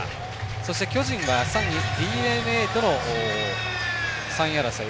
そして、巨人は３位、ＤｅＮＡとの３位争い。